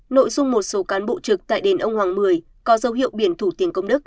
nội dung một số cán bộ trực tại đền ông hoàng mười có dấu hiệu biển thủ tiền công đức